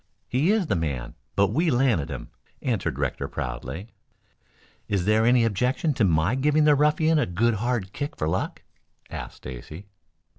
"He is the man, but we landed him," answered Rector proudly. "Is there any objection to my giving the ruffian a good hard kick for luck?" asked Stacy.